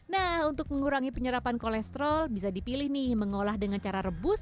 nah untuk mengurangi peradangan di tubuh kita kita harus mengambil beberapa produk